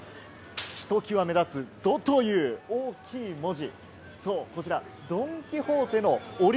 ひときわ目立つ「ド」という大きい文字。